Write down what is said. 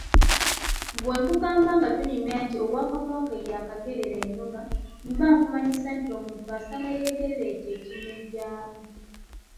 Bwe nkugamba nga tunyumya nti ‘Ow’akamwa ke y’akagerera ennoga’ mba nkumanyisa nti Omuntu asana yeegerere ekyo ekimugyamu.